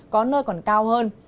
có nơi còn cao hơn